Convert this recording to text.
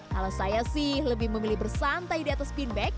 kalau saya sih lebih memilih bersantai di atas spinbag